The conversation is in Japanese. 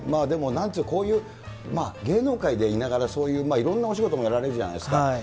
なんという、こういう芸能界にいながら、そういういろんなお仕事もやられるじゃないですか。